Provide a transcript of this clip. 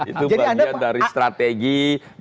itu bagian dari strategi ya jadi anda